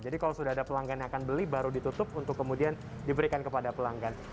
jadi kalau sudah ada pelanggan yang akan beli baru ditutup untuk kemudian diberikan kepada pelanggan